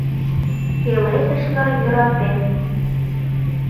Пеледышла йӧралтем.